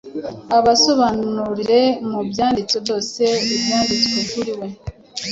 abasobanurira mu byanditswe byose ibyanditswe kuri we.